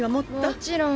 もちろん。